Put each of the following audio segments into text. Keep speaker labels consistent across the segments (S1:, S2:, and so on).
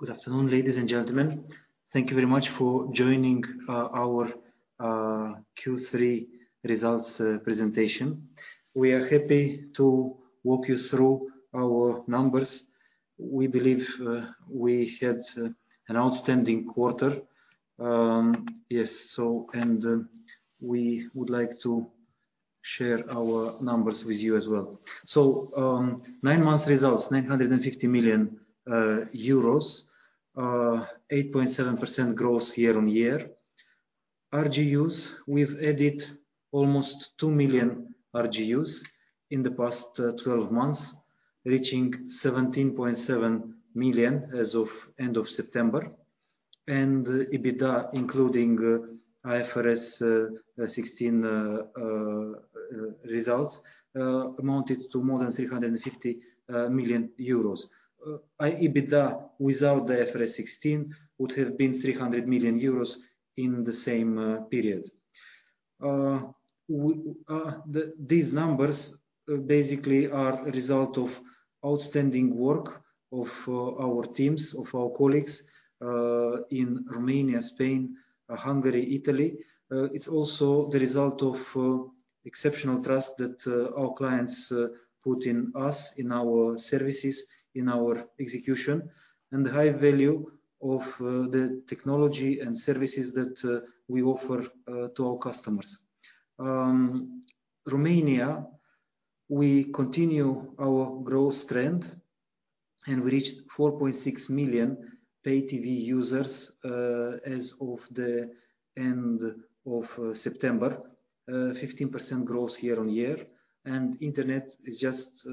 S1: Good afternoon, ladies and gentlemen. Thank you very much for joining our Q3 results presentation. We are happy to walk you through our numbers. We believe we had an outstanding quarter. Yes. We would like to share our numbers with you as well. Nine months results, 950 million euros, 8.7% growth year-on-year. RGUs, we've added almost two million RGUs in the past 12 months, reaching 17.7 million as of end of September. EBITDA, including IFRS 16 results, amounted to more than 350 million euros. EBITDA without the IFRS 16 would have been 300 million euros in the same period. These numbers basically are a result of outstanding work of our teams, of our colleagues, in Romania, Spain, Hungary, Italy. It's also the result of exceptional trust that our clients put in us, in our services, in our execution, and the high value of the technology and services that we offer to our customers. In Romania, we continue our growth trend, and we reached 4.6 million Pay TV users as of the end of September. 15% growth year-on-year. Internet is just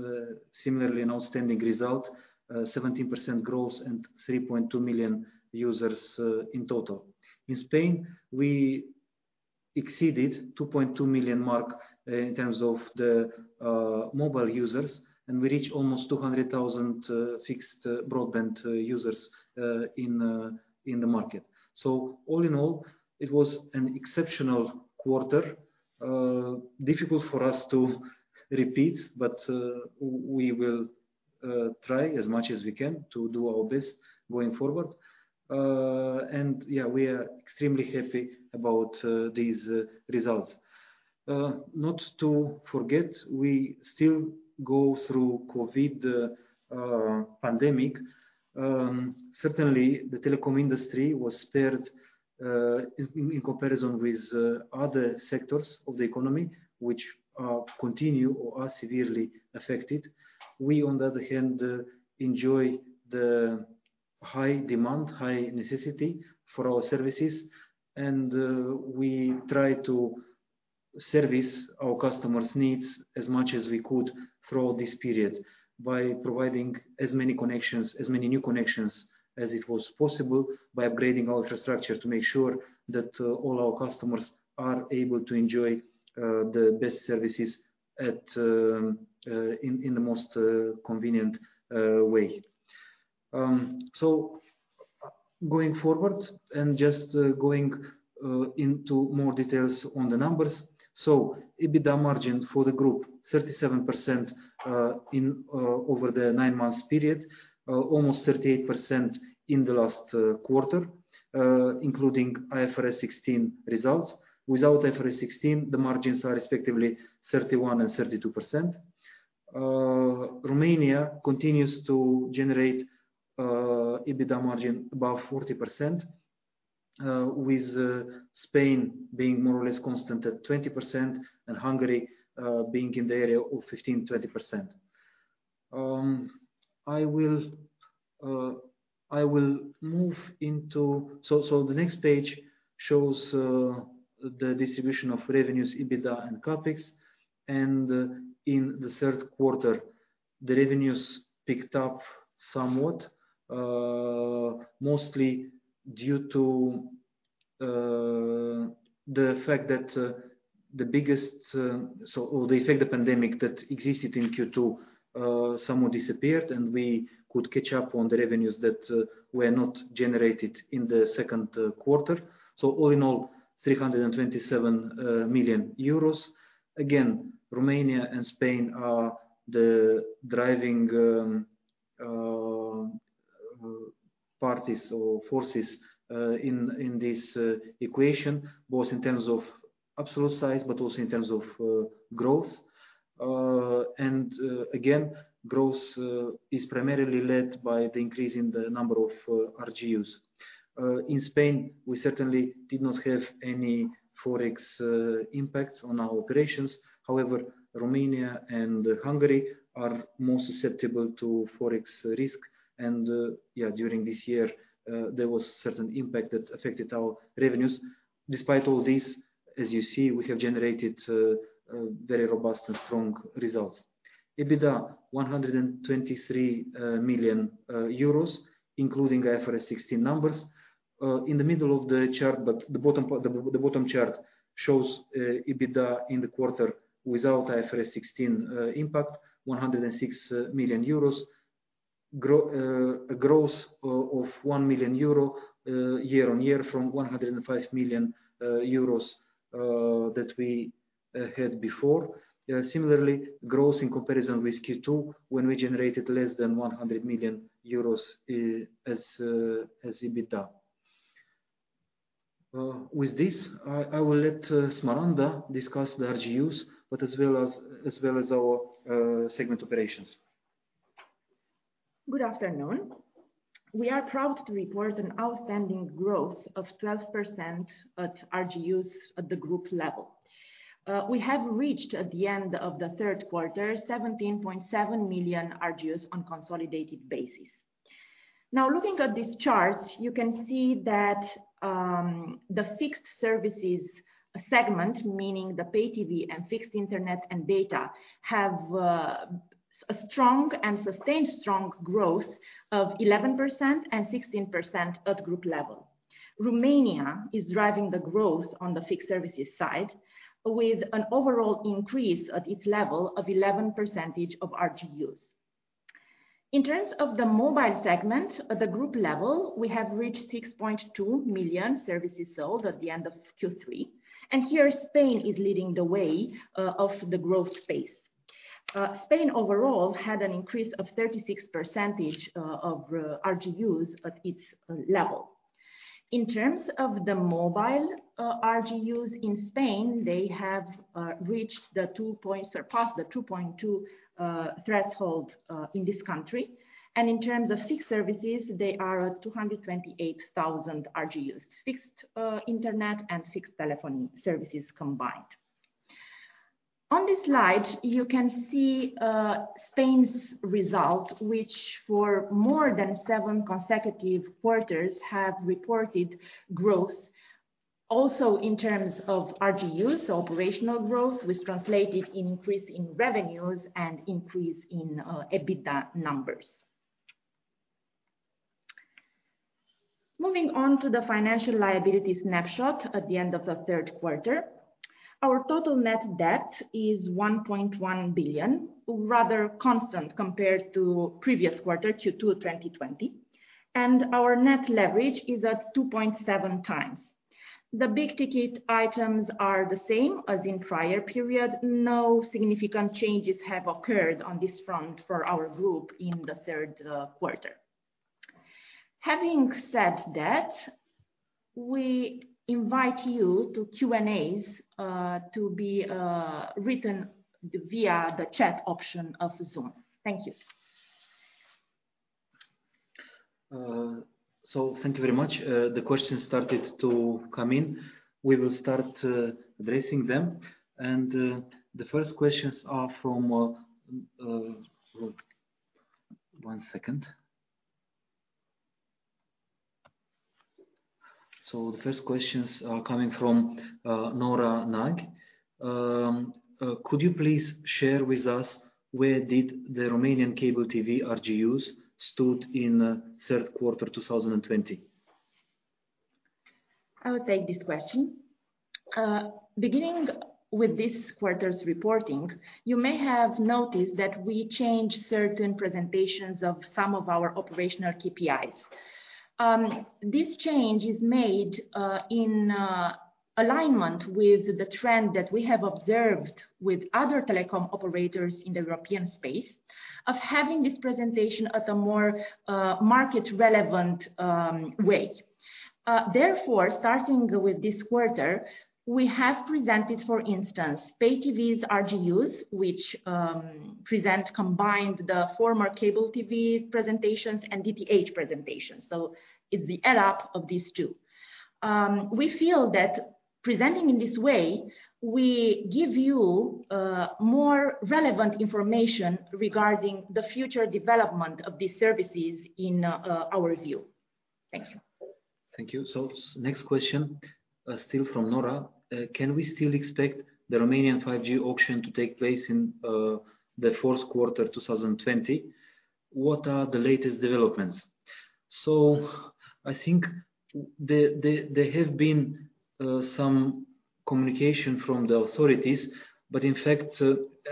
S1: similarly an outstanding result, 17% growth and 3.2 million users in total. In Spain, we exceeded the 2.2 million mark in terms of the mobile users, and we reach almost 200,000 fixed broadband users in the market. All in all, it was an exceptional quarter. Difficult for us to repeat, but we will try as much as we can to do our best going forward. Yeah, we are extremely happy about these results. Not to forget, we still go through the COVID pandemic. Certainly, the telecom industry was spared in comparison with other sectors of the economy, which continue or are severely affected. We on the other hand, enjoy the high demand, high necessity for our services, and we try to service our customers' needs as much as we could throughout this period by providing as many new connections as it was possible, by upgrading our infrastructure to make sure that all our customers are able to enjoy the best services in the most convenient way. Going forward and just going into more details on the numbers. EBITDA margin for the group, 37% over the nine months period. Almost 38% in the last quarter, including IFRS 16 results. Without IFRS 16, the margins are respectively 31% and 32%. Romania continues to generate EBITDA margin above 40%, with Spain being more or less constant at 20% and Hungary, being in the area of 15%-20%. The next page shows the distribution of revenues, EBITDA and CapEx. In the third quarter, the revenues picked up somewhat, mostly due to the fact that the effect of pandemic that existed in Q2 somewhat disappeared, and we could catch up on the revenues that were not generated in the second quarter. All in all, 327 million euros. Again, Romania and Spain are the driving parties or forces in this equation, both in terms of absolute size, but also in terms of growth. Again, growth is primarily led by the increase in the number of RGUs. In Spain, we certainly did not have any Forex impacts on our operations. However, Romania and Hungary are more susceptible to Forex risk. Yeah, during this year, there was certain impact that affected our revenues. Despite all this, as you see, we have generated very robust and strong results. EBITDA, 123 million euros, including IFRS 16 numbers. In the middle of the chart, but the bottom chart shows EBITDA in the quarter without IFRS 16 impact, 106 million euros. A growth of 1 million euro year-on-year from 105 million euros that we had before. Similarly, growth in comparison with Q2, when we generated less than 100 million euros as EBITDA. With this, I will let Smaranda discuss the RGUs, but as well as our segment operations.
S2: Good afternoon. We are proud to report an outstanding growth of 12% at RGUs at the group level. We have reached, at the end of the third quarter, 17.7 million RGUs on consolidated basis. Now looking at this chart, you can see that the fixed services segment, meaning the Pay TV and fixed internet and data, have a strong and sustained growth of 11% and 16% at group level. Romania is driving the growth on the fixed services side, with an overall increase at its level of 11% of RGUs. In terms of the mobile segment at the group level, we have reached 6.2 million services sold at the end of Q3, and here Spain is leading the way of the growth pace. Spain overall had an increase of 36% of RGUs at its level. In terms of the mobile RGUs in Spain, they have surpassed the 2.2 threshold in this country. In terms of fixed services, they are at 228,000 RGUs, fixed internet and fixed telephony services combined. On this slide, you can see Spain's result, which for more than seven consecutive quarters have reported growth also in terms of RGUs, operational growth, which translated in increase in revenues and increase in EBITDA numbers. Moving on to the financial liability snapshot at the end of the third quarter. Our total net debt is 1.1 billion, rather constant compared to previous quarter, Q2 2020. Our net leverage is at 2.7 times. The big-ticket items are the same as in prior period. No significant changes have occurred on this front for our group in the third quarter. Having said that, we invite you to Q&As, to be written via the chat option of Zoom. Thank you.
S1: Thank you very much. The questions started to come in. We will start addressing them. The first questions are coming from Nora Nagy. Could you please share with us, where did the Romanian cable TV RGUs stood in third quarter 2020?
S2: I will take this question. Beginning with this quarter's reporting, you may have noticed that we changed certain presentations of some of our operational KPIs. This change is made in alignment with the trend that we have observed with other telecom operators in the European space of having this presentation at a more market-relevant way. Therefore, starting with this quarter, we have presented, for instance, Pay TV's RGUs, which present combined the former cable TV presentations and DTH presentations. It's the add up of these two. We feel that presenting in this way, we give you more relevant information regarding the future development of these services in our view. Thank you.
S1: Thank you. Next question, still from Nora. Can we still expect the Romanian 5G auction to take place in the fourth quarter 2020? What are the latest developments? I think there have been some communication from the authorities, but in fact,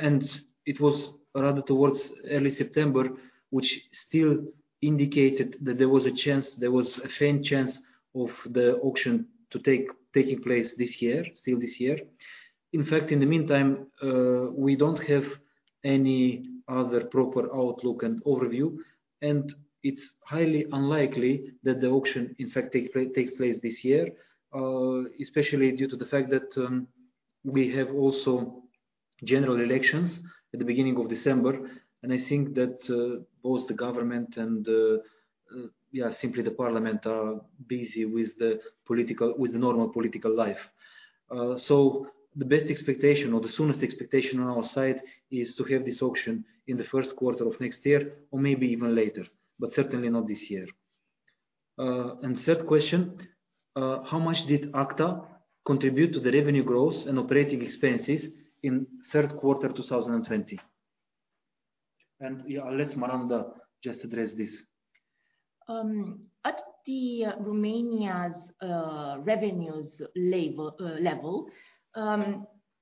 S1: and it was rather towards early September, which still indicated that there was a faint chance of the auction taking place still this year. In fact, in the meantime, we don't have any other proper outlook and overview, and it's highly unlikely that the auction in fact takes place this year. Especially due to the fact that we have also general elections at the beginning of December. I think that both the government and simply the parliament are busy with the normal political life. The best expectation or the soonest expectation on our side is to have this auction in the first quarter of next year, or maybe even later, but certainly not this year. Third question, how much did AKTA contribute to the revenue growth and operating expenses in third quarter 2020? I'll let Smaranda just address this.
S2: At Romania's revenues level,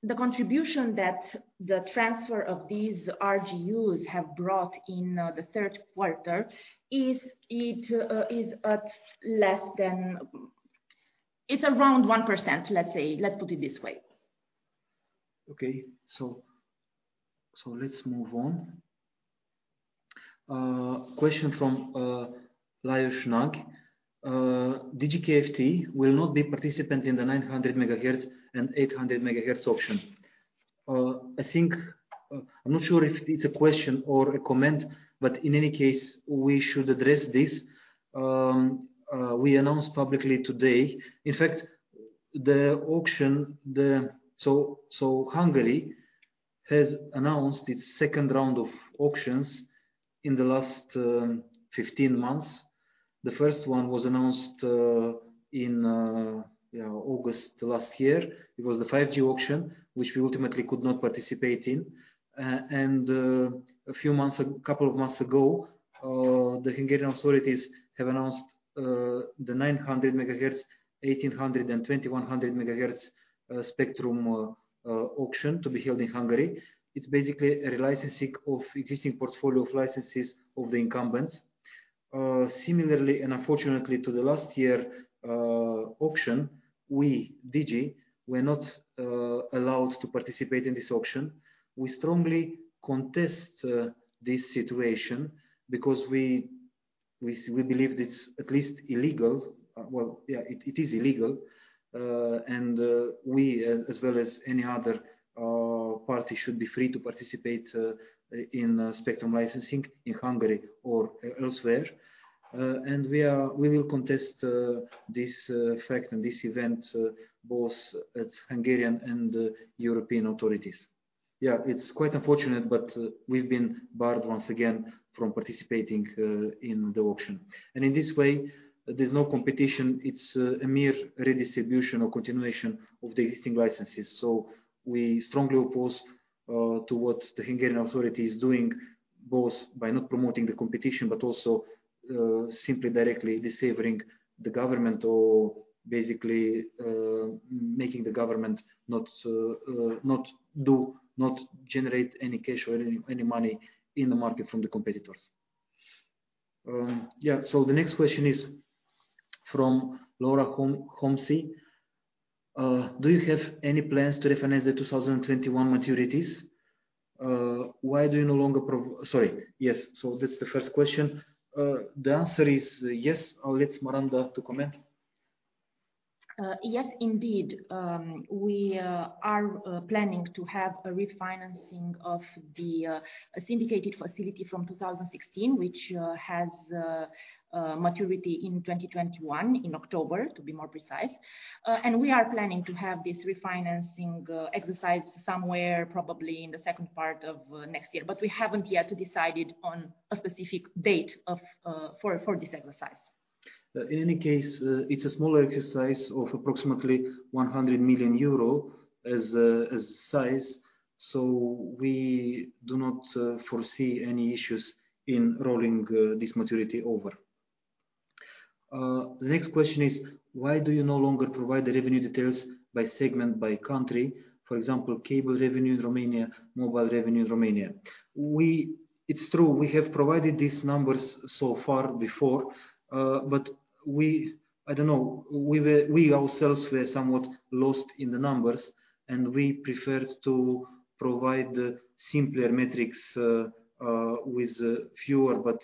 S2: the contribution that the transfer of these RGUs have brought in the third quarter, it's around 1%, let's say. Let's put it this way.
S1: Okay. Let's move on. A question from Lajos Nagy. "Digi Kft will not be participant in the 900 MHz and 800 MHz auction." I'm not sure if it's a question or a comment, but in any case, we should address this. We announced publicly today. Hungary has announced its second round of auctions in the last 15 months. The first one was announced in August last year. It was the 5G auction, which we ultimately could not participate in. A couple of months ago, the Hungarian authorities have announced the 900 MHz, 1800 MHz and 2100 MHz spectrum auction to be held in Hungary. It's basically a relicensing of existing portfolio of licenses of the incumbents. Similarly, and unfortunately to the last year auction, we, Digi, were not allowed to participate in this auction. We strongly contest this situation because we believe it is illegal, and we, as well as any other party, should be free to participate in spectrum licensing in Hungary or elsewhere. We will contest this fact and this event, both at Hungarian and European authorities. Yeah, it's quite unfortunate, but we've been barred once again from participating in the auction. In this way, there's no competition. It's a mere redistribution or continuation of the existing licenses. We strongly oppose to what the Hungarian authority is doing, both by not promoting the competition, but also, simply directly disfavoring the government or basically, making the government not generate any cash or any money in the market from the competitors. The next question is from Laura Homcy. "Do you have any plans to refinance the 2021 maturities? Why do you no longer provide..." Sorry. Yes. That's the first question. The answer is yes. I'll let Smaranda Ștreangă to comment.
S2: Yes, indeed. We are planning to have a refinancing of the syndicated facility from 2016, which has maturity in 2021, in October, to be more precise. We are planning to have this refinancing exercise somewhere, probably in the second part of next year. We haven't yet decided on a specific date for this exercise.
S1: In any case, it's a smaller exercise of approximately 100 million euro as size. We do not foresee any issues in rolling this maturity over. The next question is: "Why do you no longer provide the revenue details by segment, by country, for example, cable revenue in Romania, mobile revenue in Romania?" It's true, we have provided these numbers so far before, but we ourselves were somewhat lost in the numbers, and we preferred to provide simpler metrics with fewer, but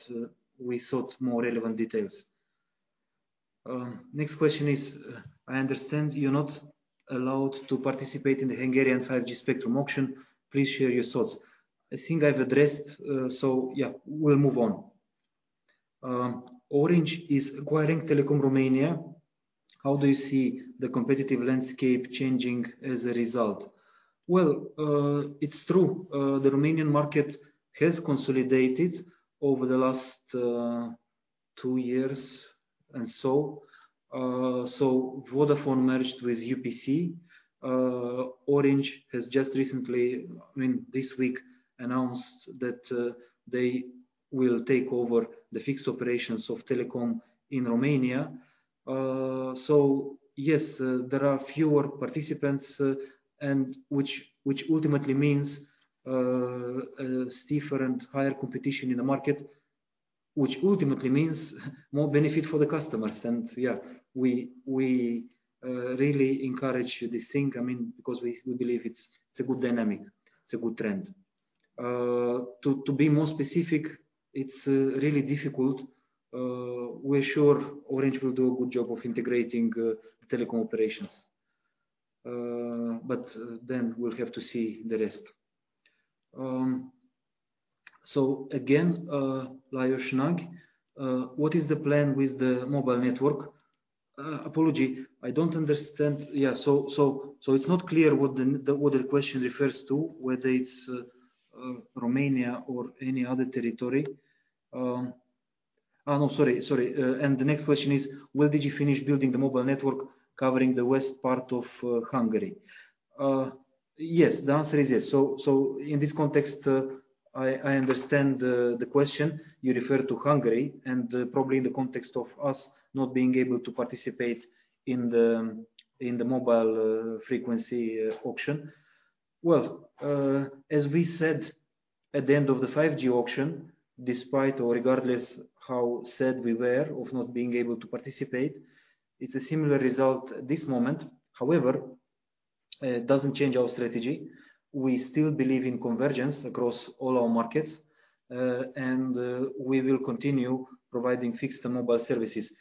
S1: we thought more relevant details. Next question is: "I understand you're not allowed to participate in the Hungarian 5G spectrum auction. Please share your thoughts." I think I've addressed, so yeah, we'll move on. "Orange is acquiring Telekom Romania. How do you see the competitive landscape changing as a result?" Well, it's true. The Romanian market has consolidated over the last two years, and Vodafone merged with UPC. Orange has just recently, this week, announced that they will take over the fixed operations of Telekom in Romania. Yes, there are fewer participants, which ultimately means stiffer and higher competition in the market, which ultimately means more benefit for the customers. Yeah, we really encourage this thing because we believe it's a good dynamic. It's a good trend. To be more specific, it's really difficult. We're sure Orange will do a good job of integrating Telekom operations. Then we'll have to see the rest. Again, Lajos Nagy. "What is the plan with the mobile network?" Apology, I don't understand. It's not clear what the question refers to, whether it's Romania or any other territory. No, sorry. The next question is: "Will Digi finish building the mobile network covering the west part of Hungary?" Yes. The answer is yes. In this context, I understand the question. You refer to Hungary and probably in the context of us not being able to participate in the mobile frequency auction. Well, as we said at the end of the 5G auction, despite or regardless how sad we were of not being able to participate, it's a similar result this moment. However, it doesn't change our strategy. We still believe in convergence across all our markets, and we will continue providing fixed and mobile services,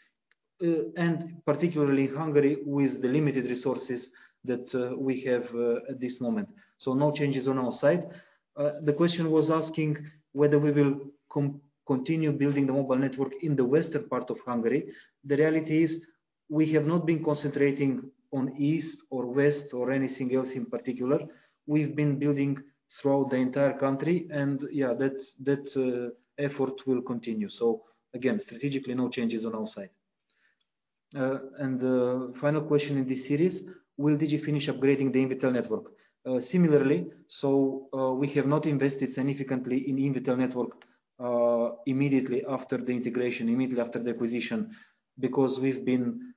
S1: and particularly in Hungary, with the limited resources that we have at this moment. No changes on our side. The question was asking whether we will continue building the mobile network in the western part of Hungary. The reality is we have not been concentrating on east or west or anything else in particular. We've been building throughout the entire country. Yeah, that effort will continue. Again, strategically, no changes on our side. The final question in this series, will Digi finish upgrading the Invitel network? Similarly, we have not invested significantly in Invitel network immediately after the integration, immediately after the acquisition, because we've been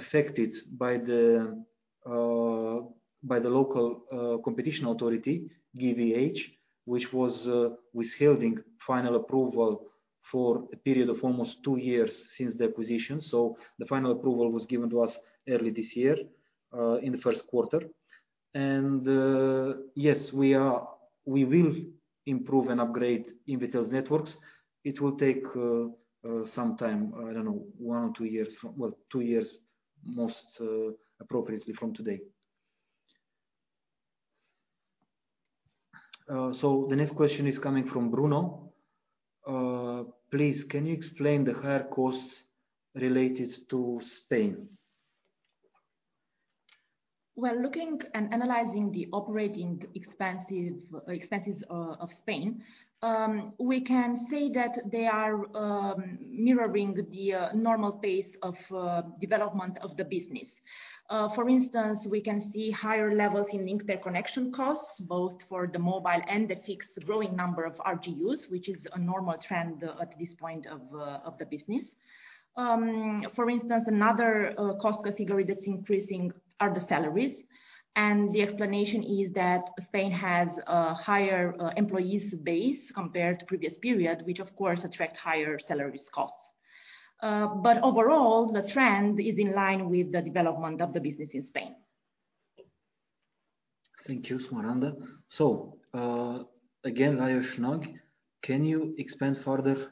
S1: affected by the local competition authority, GVH, which was withholding final approval for a period of almost two years since the acquisition. The final approval was given to us early this year, in the first quarter. Yes, we will improve and upgrade Invitel's networks. It will take some time, I don't know, one or two years. Well, two years most appropriately from today. The next question is coming from Bruno. Please, can you explain the higher costs related to Spain?
S2: Well, looking and analyzing the operating expenses of Spain, we can say that they are mirroring the normal pace of development of the business. For instance, we can see higher levels in interconnection costs, both for the mobile and the fixed growing number of RGUs, which is a normal trend at this point of the business. For instance, another cost category that's increasing are the salaries. The explanation is that Spain has a higher employees base compared to previous period, which of course attract higher salaries costs. Overall, the trend is in line with the development of the business in Spain.
S1: Thank you, Smaranda. Again, Lajos Nagy, can you expand further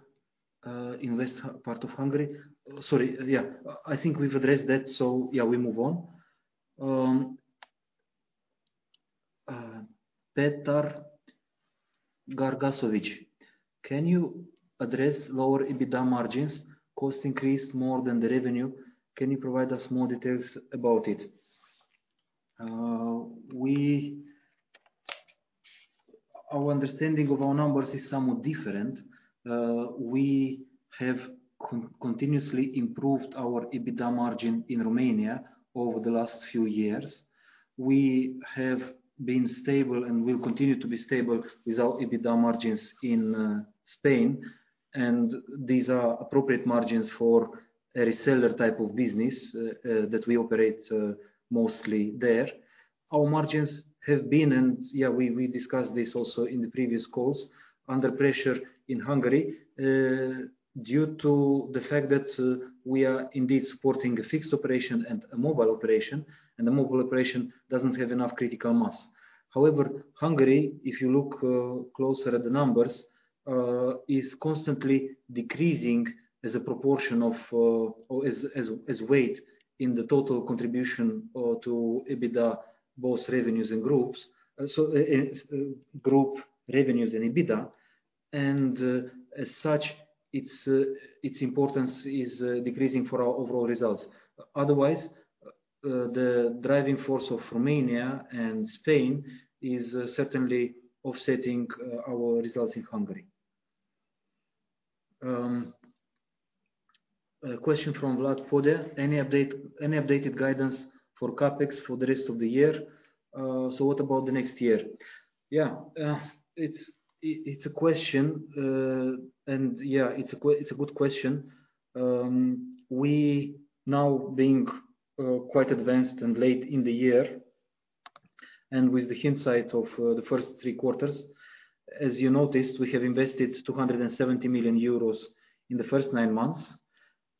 S1: in west part of Hungary? Sorry, yeah, I think we've addressed that, so yeah, we move on. Petar Grgasovic. Can you address lower EBITDA margins, cost increased more than the revenue? Can you provide us more details about it? Our understanding of our numbers is somewhat different. We have continuously improved our EBITDA margin in Romania over the last few years. We have been stable and will continue to be stable with our EBITDA margins in Spain. These are appropriate margins for a reseller type of business that we operate mostly there. Our margins have been, and yeah, we discussed this also in the previous calls, under pressure in Hungary due to the fact that we are indeed supporting a fixed operation and a mobile operation, and the mobile operation doesn't have enough critical mass. However, Hungary, if you look closer at the numbers, is constantly decreasing as a proportion of, or as weight in the total contribution to EBITDA, both revenues and RGUs. Group revenues and EBITDA. As such, its importance is decreasing for our overall results. Otherwise, the driving force of Romania and Spain is certainly offsetting our results in Hungary. A question from Vlad Podea. Any updated guidance for CapEx for the rest of the year? What about the next year? Yeah. It's a good question. We're now being quite advanced and late in the year, and with the hindsight of the first three quarters, as you noticed, we have invested 270 million euros in the first nine months.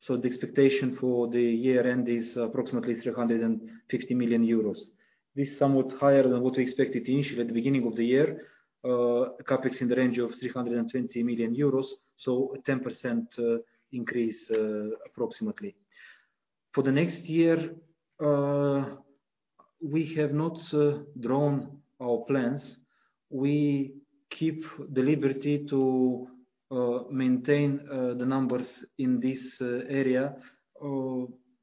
S1: The expectation for the year end is approximately 350 million euros. This is somewhat higher than what we expected initially at the beginning of the year. CapEx in the range of 320 million euros, so a 10% increase approximately. For the next year, we have not drawn our plans. We keep the liberty to maintain the numbers in this area.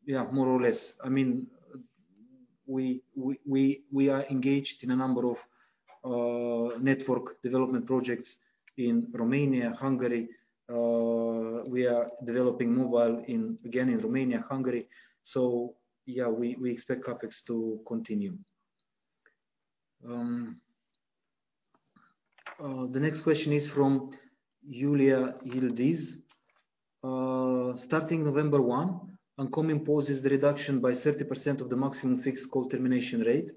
S1: Yeah, more or less. We are engaged in a number of network development projects in Romania, Hungary. We are developing mobile again in Romania, Hungary. Yeah, we expect CapEx to continue. The next question is from Julia Yildiz. Starting November 1, ANCOM imposes the reduction by 30% of the maximum fixed call termination rate,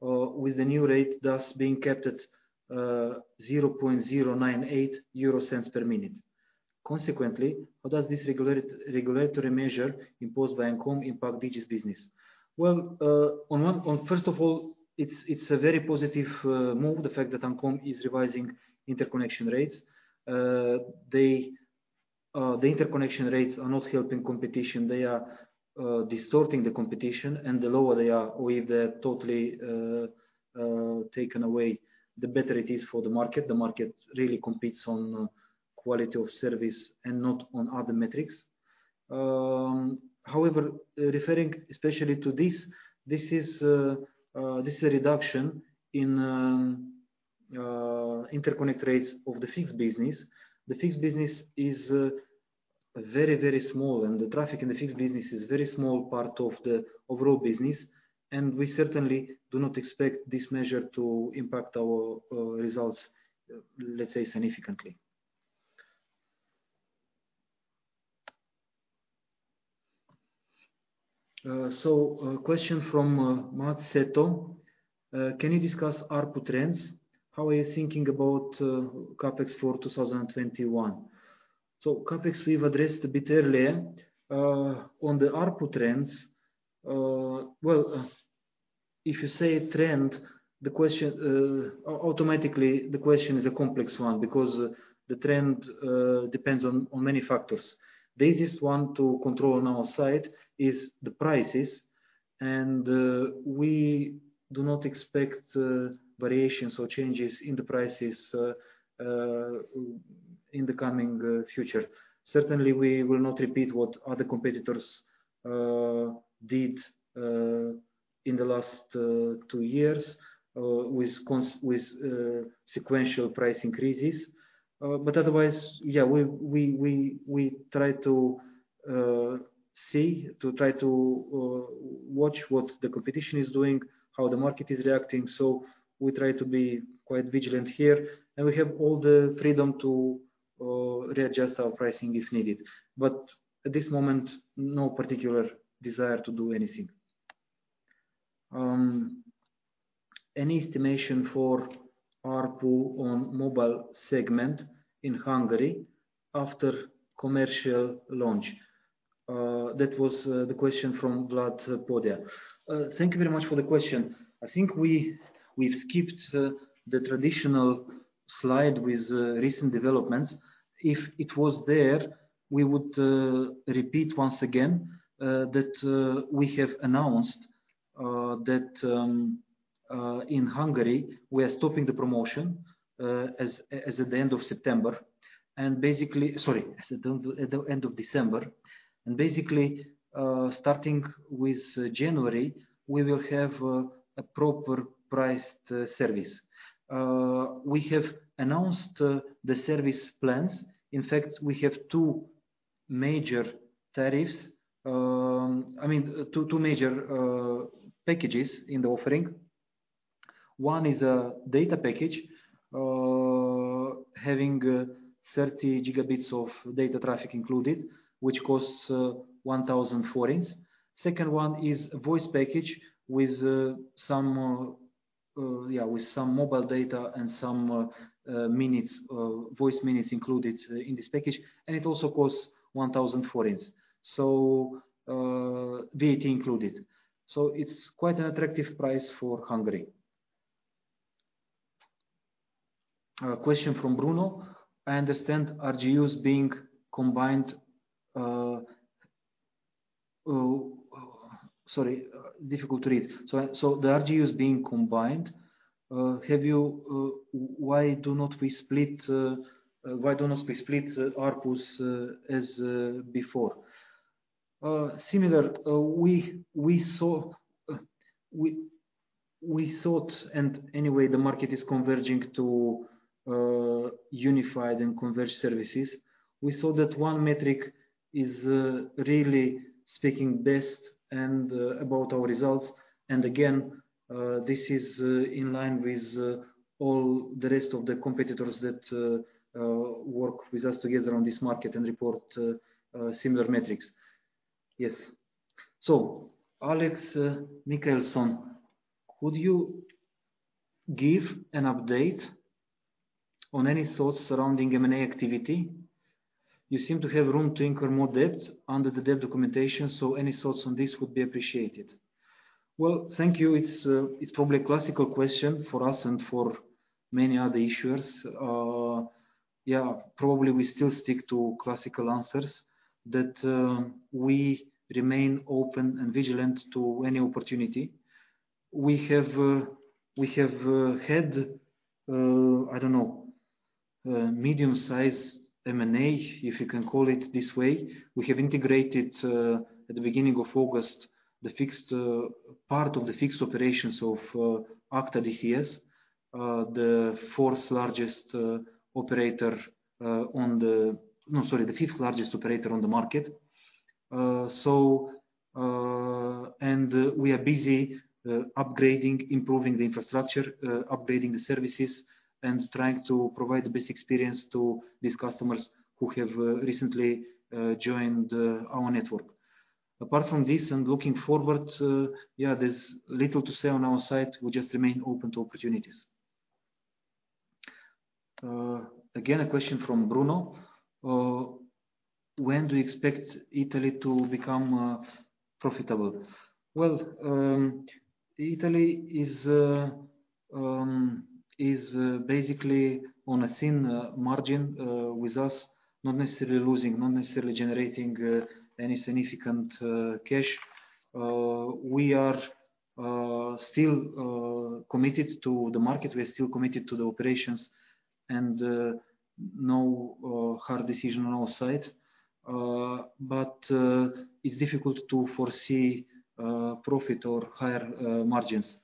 S1: with the new rate thus being kept at 0.098 per minute. Consequently, how does this regulatory measure imposed by ANCOM impact Digi's business? Well, first of all, it's a very positive move, the fact that ANCOM is revising interconnection rates. The interconnection rates are not helping competition. They are distorting the competition, and the lower they are, with them totally taken away, the better it is for the market. The market really competes on quality of service and not on other metrics. However, referring especially to this is a reduction in interconnect rates of the fixed business. The fixed business is very, very small, and the traffic in the fixed business is a very small part of the overall business, and we certainly do not expect this measure to impact our results, let's say, significantly. Question from Matt Seto. Can you discuss ARPU trends? How are you thinking about CapEx for 2021? CapEx, we've addressed a bit earlier. On the ARPU trends, if you say trend, automatically the question is a complex one, because the trend depends on many factors. The easiest one to control on our side is the prices, and we do not expect variations or changes in the prices in the coming future. Certainly, we will not repeat what other competitors did in the last two years with sequential price increases. Otherwise, yeah, we try to see, to try to watch what the competition is doing, how the market is reacting. We try to be quite vigilant here, and we have all the freedom to readjust our pricing if needed. At this moment, no particular desire to do anything. Any estimation for ARPU on mobile segment in Hungary after commercial launch? That was the question from Vlad Podea. Thank you very much for the question. I think we've skipped the traditional slide with recent developments. If it was there, we would repeat once again that we have announced that in Hungary, we are stopping the promotion as at the end of September. Sorry, at the end of December. Basically, starting with January, we will have a proper priced service. We have announced the service plans. In fact, we have two major tariffs. I mean, two major packages in the offering. One is a data package, having 30 GB of data traffic included, which costs 1,000 forints. Second one is a voice package with some mobile data and some voice minutes included in this package, and it also costs 1,000 forints VAT included. It's quite an attractive price for Hungary. A question from Bruno. I understand RGUs being combined. Sorry, difficult to read. The RGU is being combined. Why do not we split ARPU as before? Similarly, we thought, and anyway, the market is converging to unified and converged services. We thought that one metric is really speaking best and about our results, and again, this is in line with all the rest of the competitors that work with us together on this market and report similar metrics. Yes. Alex Mikaelson, could you give an update on any thoughts surrounding M&A activity? You seem to have room to incur more debt under the debt documentation, so any thoughts on this would be appreciated. Well, thank you. It's probably a classic question for us and for many other issuers. Yeah, probably we still stick to classic answers, that we remain open and vigilant to any opportunity. We have had, I don't know, medium-sized M&A, if you can call it this way. We have integrated, at the beginning of August, part of the fixed operations of AKTA DCS, the fifth largest operator on the market. We are busy upgrading, improving the infrastructure, upgrading the services, and trying to provide the best experience to these customers who have recently joined our network. Apart from this and looking forward, yeah, there's little to say on our side. We just remain open to opportunities. Again, a question from Bruno. When do you expect Italy to become profitable? Well, Italy is basically on a thin margin with us, not necessarily losing, not necessarily generating any significant cash. We are still committed to the market. We are still committed to the operations and no hard decision on our side. It's difficult to foresee profit or higher margins,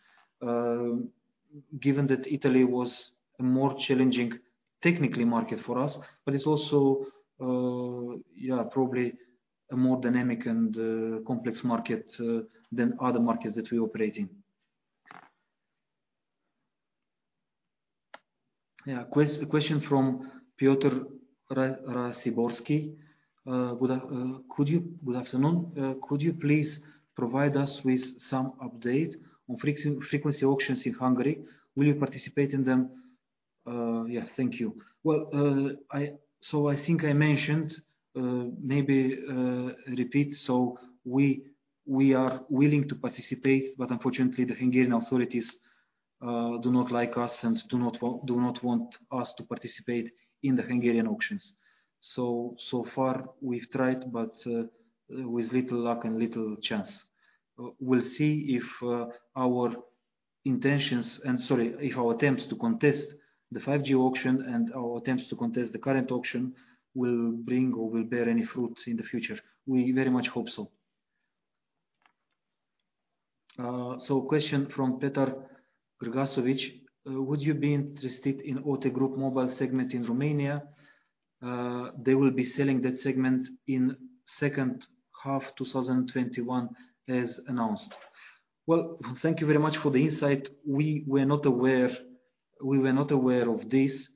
S1: given that Italy was a more challenging technical market for us. It's also probably a more dynamic and complex market than other markets that we operate in. Yeah. A question from Piotr Raciborski. Good afternoon. Could you please provide us with some update on frequency auctions in Hungary? Will you participate in them? Yeah, thank you. I think I mentioned, maybe repeat. We are willing to participate, but unfortunately, the Hungarian authorities do not like us and do not want us to participate in the Hungarian auctions. So far we've tried, but with little luck and little chance. We'll see if our attempts to contest the 5G auction and our attempts to contest the current auction will bring or will bear any fruit in the future. We very much hope so. Question from Petar Gregasovic. Would you be interested in OTE Group mobile segment in Romania? They will be selling that segment in second half 2021, as announced. Well, thank you very much for the insight. We were not aware of this.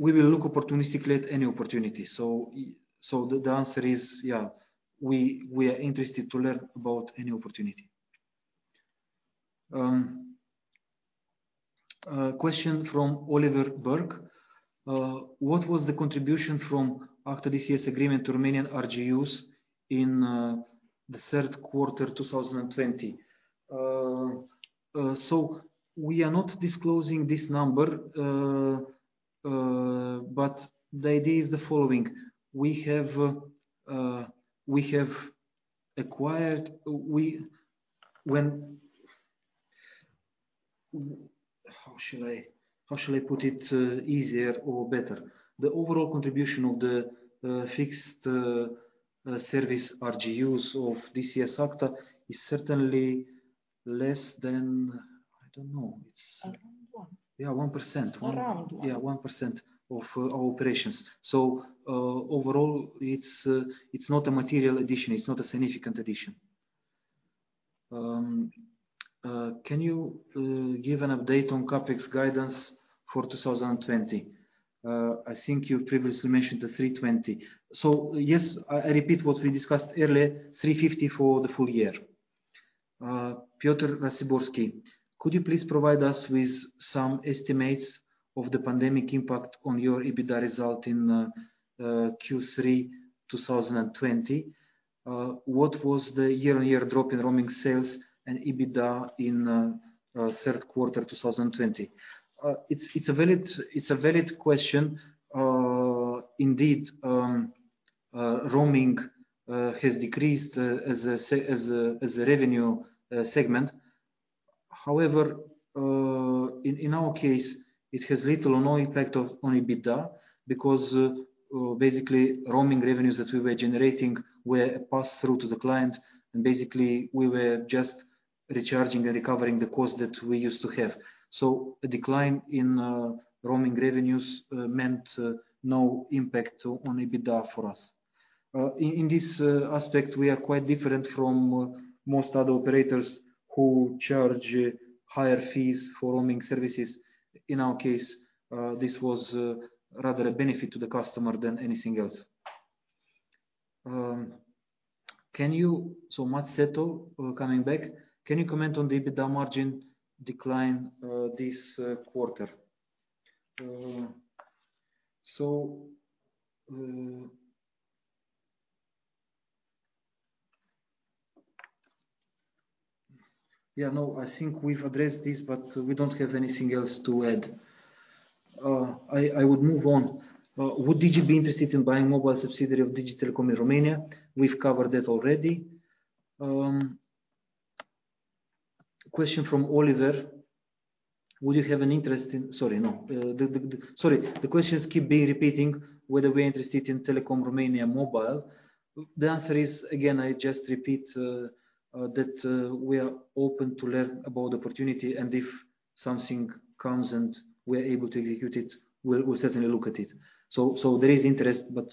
S1: We will look opportunistically at any opportunity. The answer is yeah, we are interested to learn about any opportunity. A question from Oliver Berg. What was the contribution from AKTA DCS agreement to Romanian RGUs in the third quarter 2020? We are not disclosing this number. But the idea is the following. How shall I put it easier or better? The overall contribution of the fixed service RGUs of DCS AKTA is certainly less than, I don't know. Around 1%. 1% of our operations. Overall it's not a material addition. It's not a significant addition. Can you give an update on CapEx guidance for 2020? I think you've previously mentioned the 320 million. Yes, I repeat what we discussed earlier, 350 for the full year. Piotr Raciborski, could you please provide us with some estimates of the pandemic impact on your EBITDA result in Q3 2020? What was the year-on-year drop in roaming sales and EBITDA in third quarter 2020? It's a valid question. Indeed, roaming has decreased as a revenue segment. However, in our case, it has little or no impact on EBITDA because basically roaming revenues that we were generating were passed through to the client, and basically we were just recharging and recovering the cost that we used to have. The decline in roaming revenues meant no impact on EBITDA for us. In this aspect, we are quite different from most other operators who charge higher fees for roaming services. In our case, this was rather a benefit to the customer than anything else. Matt Seto coming back. Can you comment on the EBITDA margin decline this quarter? Yeah, no, I think we've addressed this, but we don't have anything else to add. I would move on. Would Digi be interested in buying mobile subsidiary of Deutsche Telekom in Romania? We've covered that already. Question from Oliver. Would you have an interest in. Sorry, no. Sorry. The questions keep repeating. Whether we're interested in Telekom Romania Mobile. The answer is, again, I just repeat, that we are open to learn about opportunity, and if something comes and we're able to execute it, we'll certainly look at it. So there is interest, but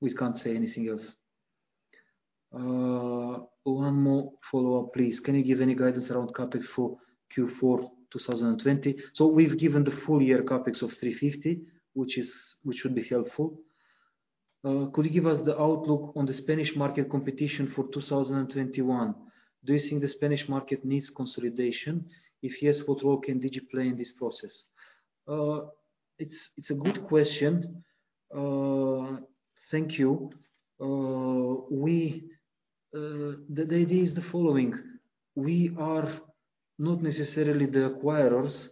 S1: we can't say anything else. One more follow-up, please. Can you give any guidance around CapEx for Q4 2020? We've given the full year CapEx of 350 million, which should be helpful. Could you give us the outlook on the Spanish market competition for 2021? Do you think the Spanish market needs consolidation? If yes, what role can Digi play in this process? It's a good question. Thank you. The idea is the following, we are not necessarily the acquirers.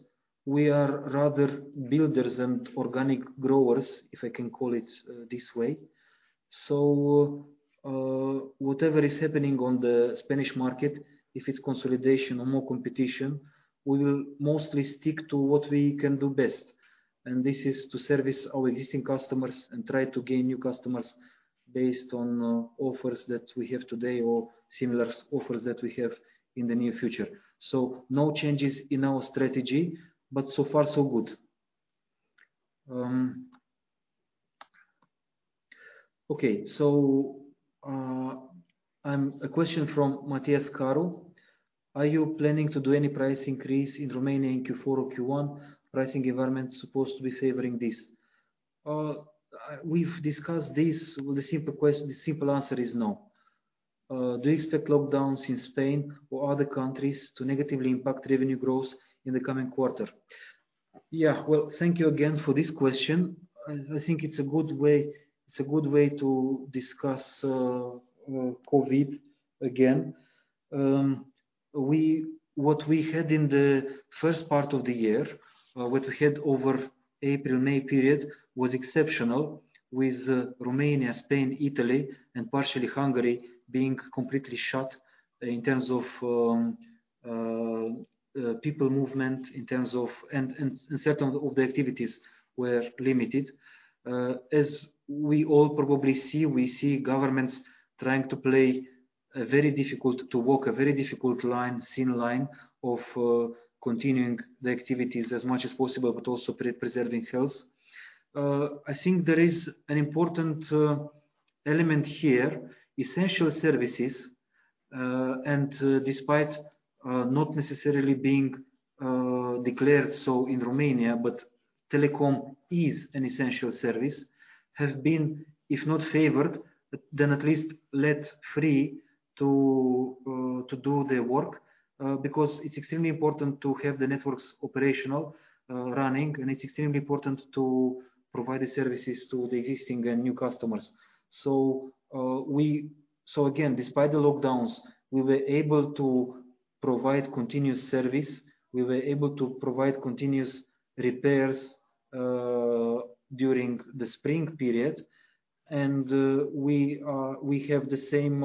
S1: We are rather builders and organic growers, if I can call it this way. Whatever is happening on the Spanish market, if it's consolidation or more competition, we will mostly stick to what we can do best. This is to service our existing customers and try to gain new customers based on offers that we have today, or similar offers that we have in the near future. No changes in our strategy, but so far so good. Okay. A question from Matthias Caro. Are you planning to do any price increase in Romania in Q4 or Q1? Pricing environment supposed to be favoring this. We've discussed this. The simple answer is no. Do you expect lockdowns in Spain or other countries to negatively impact revenue growth in the coming quarter? Yeah. Well, thank you again for this question. I think it's a good way to discuss COVID again. What we had in the first part of the year, what we had over April, May period was exceptional with Romania, Spain, Italy, and partially Hungary being completely shut in terms of people movement, and certain of the activities were limited. As we all probably see, we see governments trying to walk a very difficult line, thin line, of continuing the activities as much as possible, but also preserving health. I think there is an important element here. Essential services. Despite not necessarily being declared so in Romania, but telecom is an essential service, has been, if not favored, then at least let free to do their work. Because it's extremely important to have the networks operational, running, and it's extremely important to provide the services to the existing and new customers. Again, despite the lockdowns, we were able to provide continuous service. We were able to provide continuous repairs during the spring period, and we have the same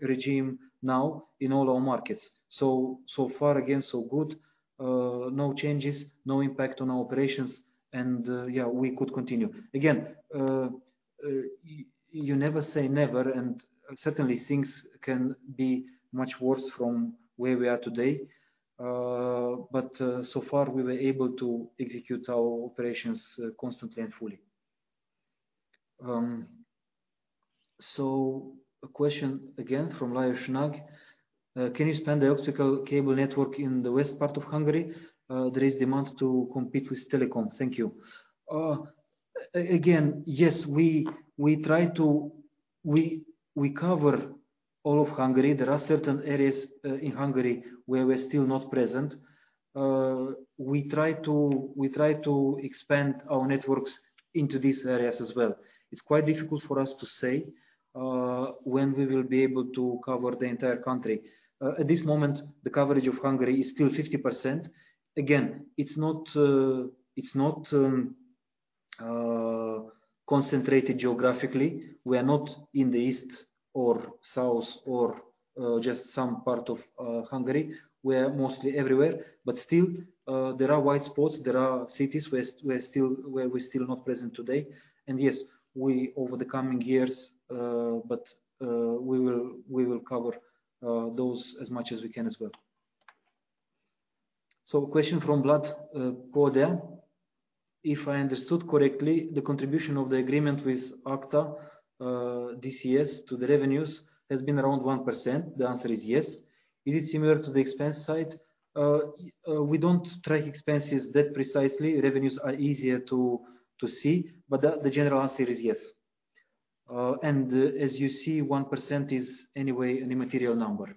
S1: regime now in all our markets. So far, again, so good. No changes, no impact on our operations, and yeah, we could continue. Again, you never say never, and certainly things can be much worse from where we are today. So far we were able to execute our operations constantly and fully. A question again from Lajos Nagy. Can you expand the optical cable network in the west part of Hungary? There is demands to compete with telecom. Thank you. Again, yes, we cover all of Hungary. There are certain areas in Hungary where we're still not present. We try to expand our networks into these areas as well. It's quite difficult for us to say when we will be able to cover the entire country. At this moment, the coverage of Hungary is still 50%. Again, it's not concentrated geographically. We are not in the east or south or just some part of Hungary. We are mostly everywhere. But still, there are white spots. There are cities where we're still not present today. Yes, over the coming years, we will cover those as much as we can as well. A question from Vlad Podea. If I understood correctly, the contribution of the agreement with AKTA, DCS, to the revenues has been around 1%. The answer is yes. Is it similar to the expense side? We don't track expenses that precisely. Revenues are easier to see, but the general answer is yes. As you see, 1% is anyway an immaterial number.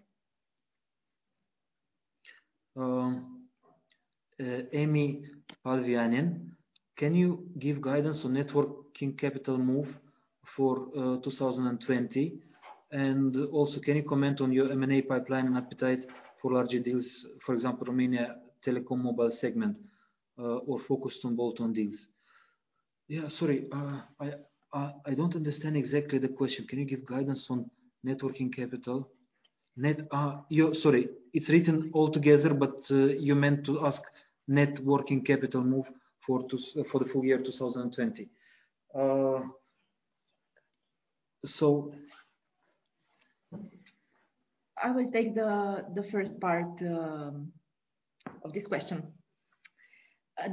S1: Amy Palvianen. Can you give guidance on net working capital move for 2020? Can you comment on your M&A pipeline and appetite for larger deals, for example, Telekom Romania mobile segment, or focused on bolt-on deals? Yeah, sorry, I don't understand exactly the question. Can you give guidance on net working capital? Sorry, it's written all together, but you meant to ask net working capital move for the full year 2020. So-
S2: I will take the first part of this question.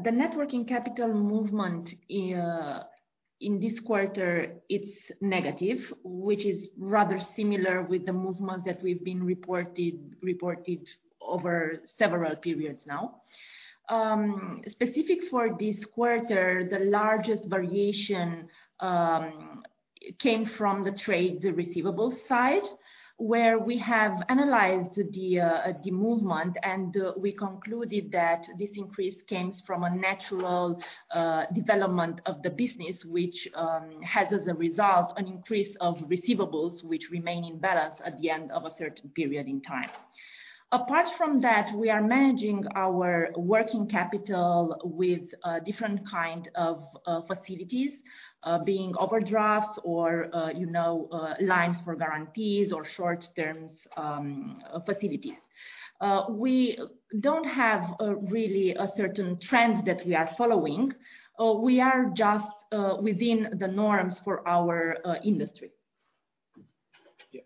S2: The net working capital movement in this quarter, it's negative, which is rather similar with the movement that we've been reported over several periods now. Specific for this quarter, the largest variation came from the trade receivables side, where we have analyzed the movement, and we concluded that this increase comes from a natural development of the business, which has, as a result, an increase of receivables which remain in balance at the end of a certain period in time. Apart from that, we are managing our working capital with different kind of facilities being overdrafts or lines for guarantees or short-term facilities. We don't have really a certain trend that we are following. We are just within the norms for our industry.
S1: Yeah.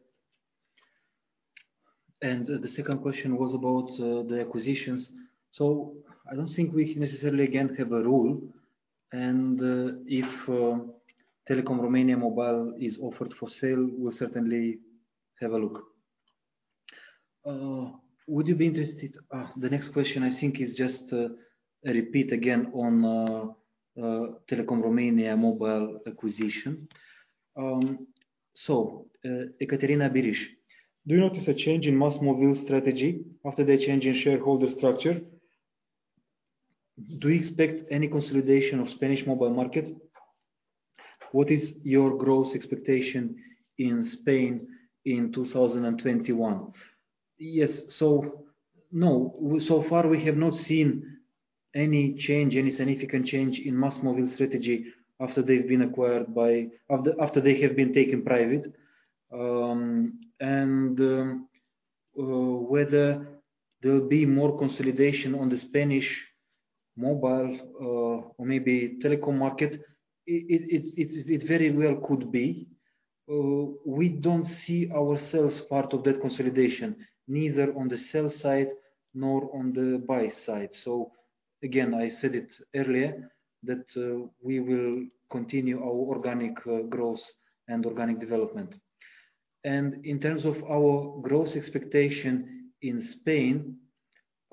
S1: The second question was about the acquisitions. I don't think we necessarily, again, have a rule. If Telekom Romania Mobile is offered for sale, we'll certainly have a look. The next question, I think, is just a repeat again on Telekom Romania Mobile acquisition. Ekaterina Biris: Do you notice a change in MásMóvil strategy after the change in shareholder structure? Do you expect any consolidation of Spanish mobile market? What is your growth expectation in Spain in 2021? Yes. No. So far we have not seen any significant change in MásMóvil strategy after they have been taken private. Whether there'll be more consolidation on the Spanish mobile or maybe telecom market, it very well could be. We don't see ourselves part of that consolidation, neither on the sell side nor on the buy side. Again, I said it earlier that we will continue our organic growth and organic development. In terms of our growth expectation in Spain,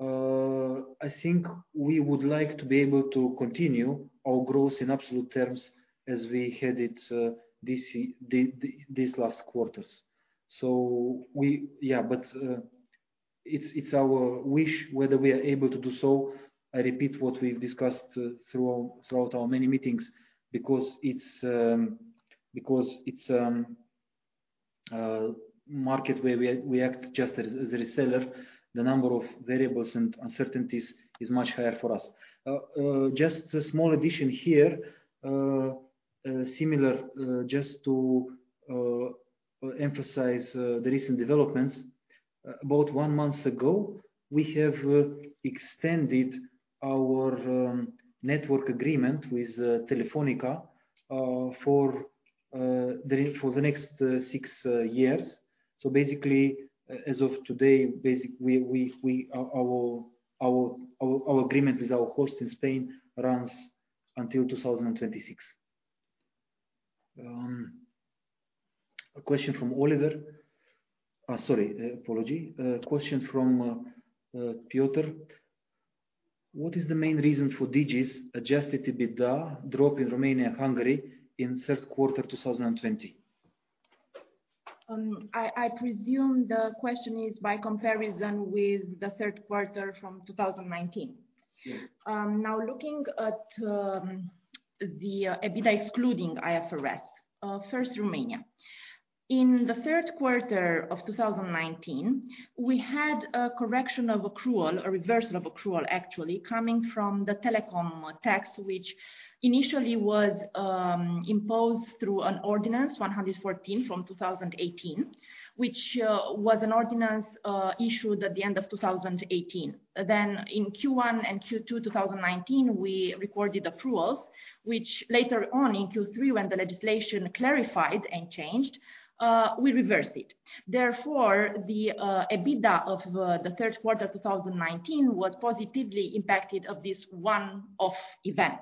S1: I think we would like to be able to continue our growth in absolute terms as we had in these last quarters. It's our wish whether we are able to do so. I repeat what we've discussed throughout our many meetings, because it's a market where we act just as a reseller. The number of variables and uncertainties is much higher for us. Just a small addition here, similar, just to emphasize the recent developments. About one month ago, we have extended our network agreement with Telefónica for the next six years. Basically, as of today, our agreement with our host in Spain runs until 2026. A question from Oliver. Sorry, apology. A question from Piotr: What is the main reason for Digi's Adjusted EBITDA drop in Romania and Hungary in third quarter 2020?
S2: I presume the question is by comparison with the third quarter from 2019.
S1: Yes.
S2: Now looking at the EBITDA excluding IFRS. First, Romania. In the third quarter of 2019, we had a correction of accrual, a reversal of accrual actually, coming from the telecom tax, which initially was imposed through an ordinance 114 from 2018, which was an ordinance issued at the end of 2018. In Q1 and Q2 2019, we recorded accruals, which later on in Q3 when the legislation clarified and changed, we reversed it. Therefore, the EBITDA of the third quarter 2019 was positively impacted of this one-off event.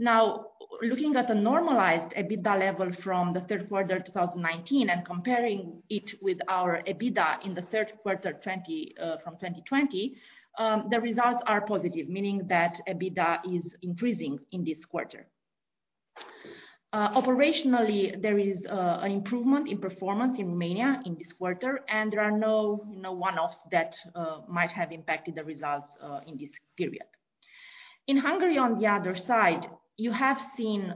S2: Now, looking at the normalized EBITDA level from the third quarter 2019 and comparing it with our EBITDA in the third quarter from 2020, the results are positive, meaning that EBITDA is increasing in this quarter. Operationally, there is an improvement in performance in Romania in this quarter, and there are no one-offs that might have impacted the results in this period. In Hungary, on the other side, you have seen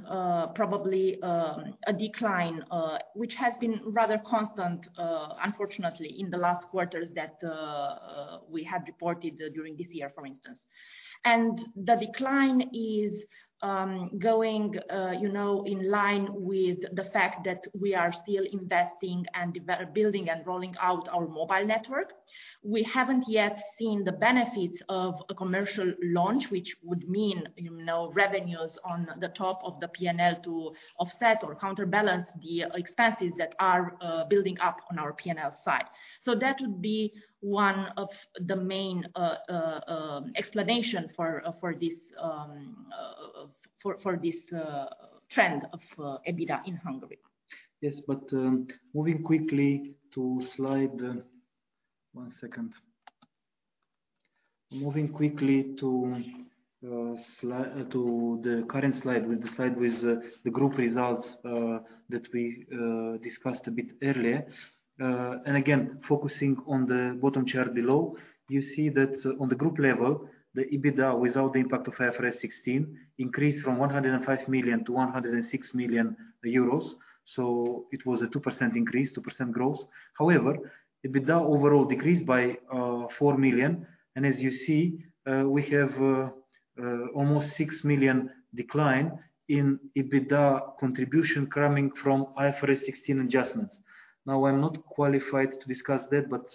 S2: probably a decline, which has been rather constant, unfortunately, in the last quarters that we have reported during this year, for instance. The decline is going in line with the fact that we are still investing and building and rolling out our mobile network. We haven't yet seen the benefits of a commercial launch, which would mean revenues on the top of the P&L to offset or counterbalance the expenses that are building up on our P&L side. That would be one of the main explanation for this decline for this trend of EBITDA in Hungary.
S1: Yes. One second. Moving quickly to the current slide, the slide with the group results that we discussed a bit earlier. Again, focusing on the bottom chart below, you see that on the group level, the EBITDA without the impact of IFRS 16 increased from 105 million to 106 million euros. It was a 2% increase, 2% growth. However, EBITDA overall decreased by 4 million, and as you see, we have almost 6 million decline in EBITDA contribution coming from IFRS 16 adjustments. Now, I'm not qualified to discuss that, but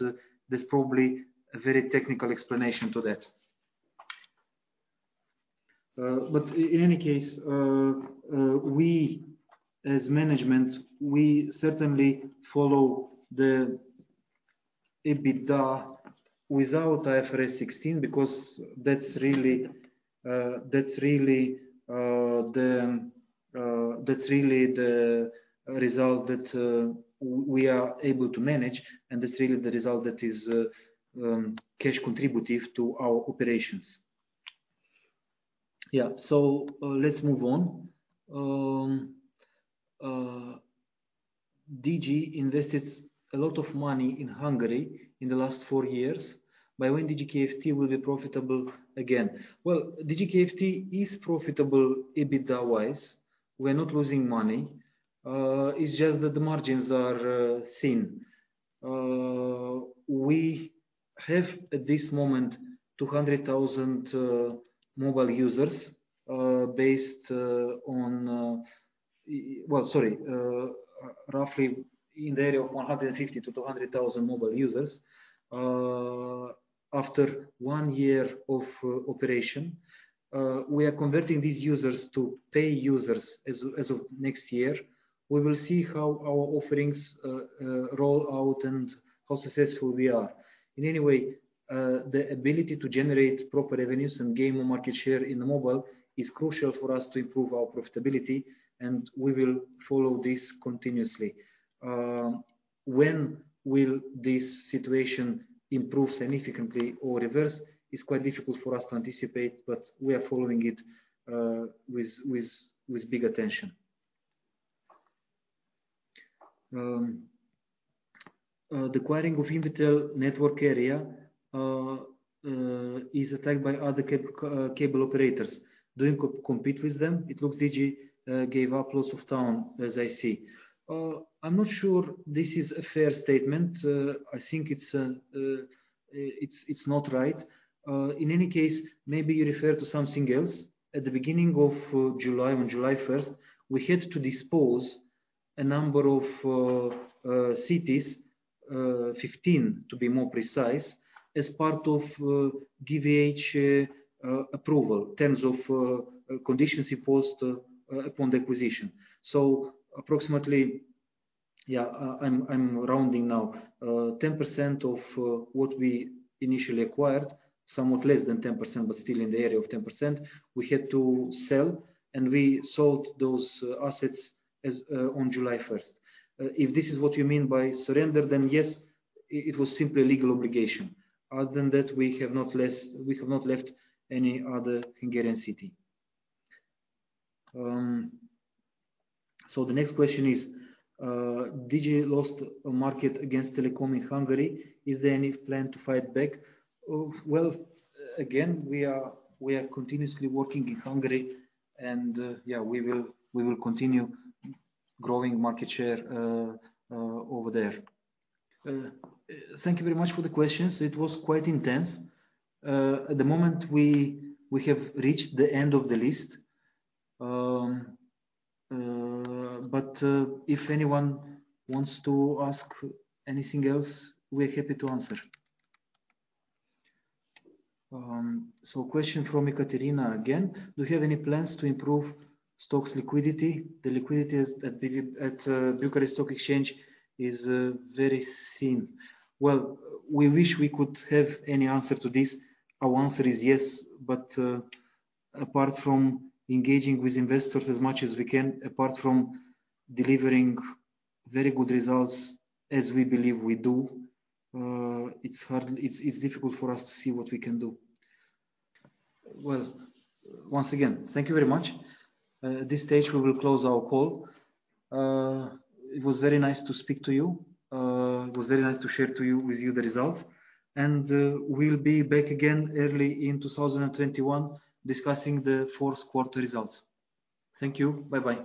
S1: there's probably a very technical explanation to that. In any case, we as management, we certainly follow the EBITDA without IFRS 16 because that's really the result that we are able to manage and that's really the result that is cash contributive to our operations. Yeah. Let's move on. Digi invested a lot of money in Hungary in the last four years. By when will Digi Kft be profitable again? Well, Digi Kft is profitable EBITDA-wise. We are not losing money. It's just that the margins are thin. We have, at this moment, roughly in the area of 150,000-200,000 mobile users. After one year of operation, we are converting these users to pay users as of next year. We will see how our offerings roll out and how successful we are. In any way, the ability to generate proper revenues and gain more market share in the mobile is crucial for us to improve our profitability, and we will follow this continuously. When will this situation improve significantly or reverse is quite difficult for us to anticipate, but we are following it with big attention. The acquiring of Invitel network area is attacked by other cable operators. Do you compete with them? It looks Digi gave up lots of towns, as I see." I'm not sure this is a fair statement. I think it's not right. In any case, maybe you're referring to something else. At the beginning of July, on July 1st, we had to dispose of a number of cities, 15 to be more precise, as part of GVH approval, terms and conditions imposed upon the acquisition. So approximately, I'm rounding now, 10% of what we initially acquired, somewhat less than 10%, but still in the area of 10%, we had to sell, and we sold those assets on July 1st. If this is what you mean by surrender, then yes, it was simply a legal obligation. Other than that, we have not left any other Hungarian city. The next question is, "Digi lost a market against Telekom in Hungary. Is there any plan to fight back?" Well, again, we are continuously working in Hungary and we will continue growing market share over there. Thank you very much for the questions. It was quite intense. At the moment, we have reached the end of the list. If anyone wants to ask anything else, we're happy to answer. Question from Ekaterina again. "Do you have any plans to improve stocks liquidity? The liquidity at Bucharest Stock Exchange is very thin." Well, we wish we could have any answer to this. Our answer is yes. Apart from engaging with investors as much as we can, apart from delivering very good results as we believe we do, it's difficult for us to see what we can do. Well, once again, thank you very much. At this stage, we will close our call. It was very nice to speak to you. It was very nice to share with you the results. We'll be back again early in 2021 discussing the fourth quarter results. Thank you. Bye-bye.